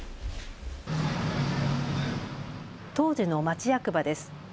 当時の町役場です。